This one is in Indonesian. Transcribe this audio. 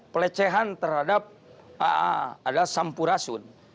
pelecehan terhadap aa adalah sampurasun